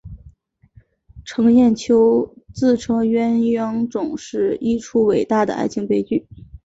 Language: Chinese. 程砚秋自称鸳鸯冢是一出伟大的爱情悲剧。